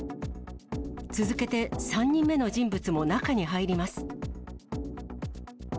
続けて３人目の人物も中に入ります。